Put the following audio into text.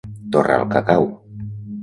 Torrar el cacau.